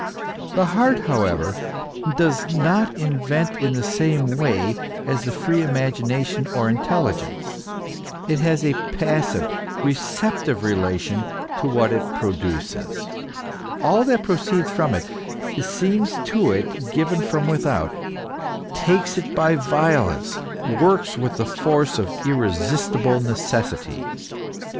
The heart, however, does not invent in the same way as the free imagination or intelligence ; it has a passive, recep tive relation to what it produces ; all that proceeds from it seems to it given from without, takes it by violence, works with the force of irresistible necessity.